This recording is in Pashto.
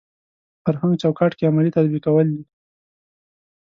فرهنګ چوکاټ کې عملي تطبیقول دي.